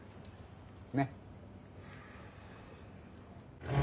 ねっ？